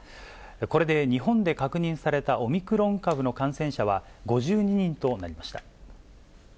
これで日本で確認されたオミクロン株の感染者は５２人となりました。